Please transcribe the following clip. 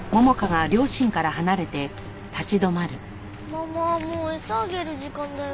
ママもう餌あげる時間だよ。